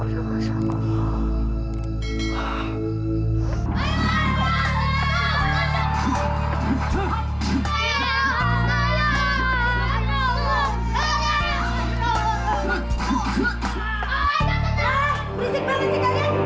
berisik banget sih kalian